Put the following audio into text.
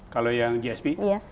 kalau yang gsp